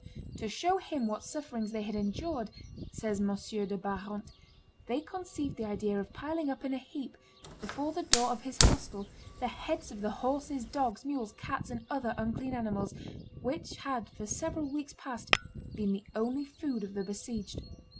"To show him what sufferings they had endured," says M. de Barante, "they conceived the idea of piling up in a heap, before the door of his hostel, the heads of the horses, dogs, mules, cats, and other unclean animals which had for several weeks past been the only food of the besieged."